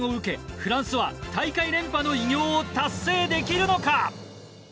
フランスは大会連覇の偉業を達成できるのか。